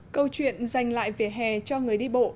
câu chuyện dành lại vỉa hè cho người đi bộ